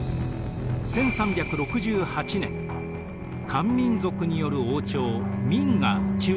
１３６８年漢民族による王朝明が中国を統一しました。